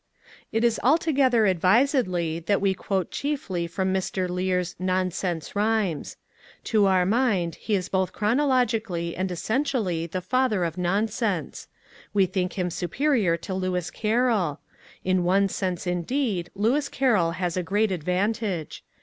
It is altogether advisedly that we quote chiefly from Mr. Lear's " Non sense Rhymes." To our mind he is both chronologically and essentially the father of nonsense; we think him superior to Lewis Carroll. In one sense, indeed, Lewis Carroll has a great advantage.